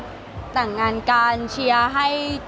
คือบอกเลยว่าเป็นครั้งแรกในชีวิตจิ๊บนะ